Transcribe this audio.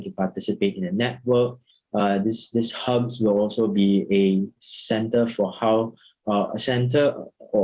agar kita bisa memiliki acara yang bisa mengajar orang orang tentang